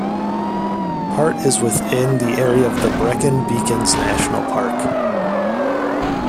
Part is within the area of the Brecon Beacons National Park.